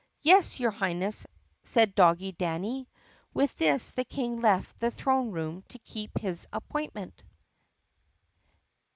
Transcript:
"Yes, your Highness," said Doggie Danny. With this the King left the throne room to keep his appoint ment.